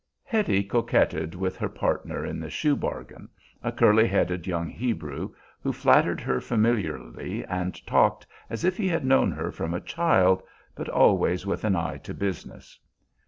Hetty coquetted with her partner in the shoe bargain, a curly headed young Hebrew, who flattered her familiarly and talked as if he had known her from a child, but always with an eye to business.